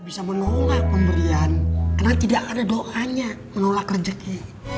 bisa menolak pemberian karena tidak ada doanya menolak rezeki